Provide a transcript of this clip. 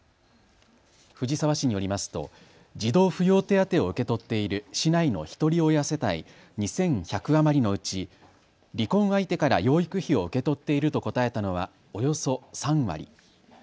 藤沢市によりますと児童扶養手当を受け取っている市内のひとり親世帯、２１００余りのうち離婚相手から養育費を受け取っていると答えたのはおよそ３割。